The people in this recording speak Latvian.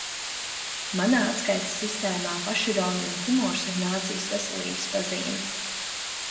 Manā atskaites sistēmā pašironija un humors ir nācijas veselības pazīme.